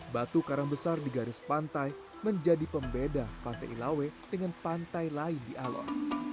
batu karang besar di garis pantai menjadi pembeda pantai ilawe dengan pantai lain di alor